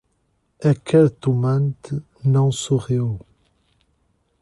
A cartomante não sorriu: